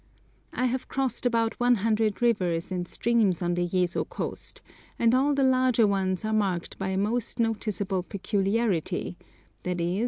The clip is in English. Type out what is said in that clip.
I have crossed about 100 rivers and streams on the Yezo coast, and all the larger ones are marked by a most noticeable peculiarity, i.e.